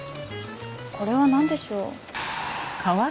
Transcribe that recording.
これは何でしょう？